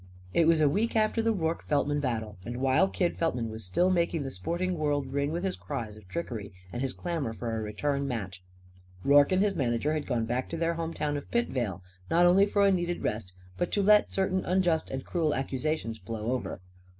It was a week after the Rorke Feltman battle, and while Kid Feltman was still making the sporting world ring with his cries of trickery and his clamour for a return match. Rorke and his manager had gone back to their home town of Pitvale; not only for a needed rest, but to let certain unjust and cruel accusations blow over.